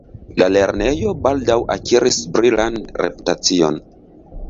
La lernejo baldaŭ akiris brilan reputacion.